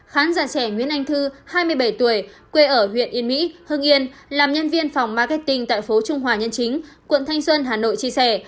khán giả trẻ nguyễn anh thư hai mươi bảy tuổi quê ở huyện yên mỹ hưng yên làm nhân viên phòng marketing tại phố trung hòa nhân chính quận thanh xuân hà nội chia sẻ